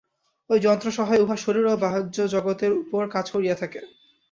ঐ যন্ত্রসহায়ে উহা শরীর ও বাহ্য জগতের উপর কাজ করিয়া থাকে।